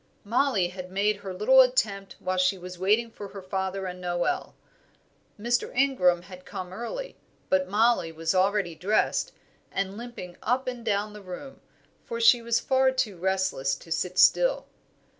Mollie had made her little attempt while she was waiting for her father and Noel. Mr. Ingram had come early, but Mollie was already dressed, and limping up and down the room; for she was far too restless to sit still.